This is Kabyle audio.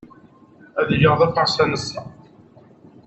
Ad iliɣ d afarsan, ass-a.